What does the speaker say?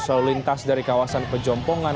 selalu lintas dari kawasan pejompongan